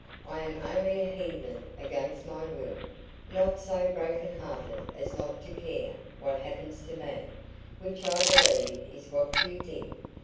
I am only a heathen against my will not so broken hearted as not to care what happens to me, which I believe is what you think.